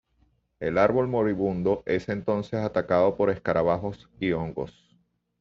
El árbol moribundo es entonces atacado por escarabajos y hongos.